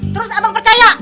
terus abang percaya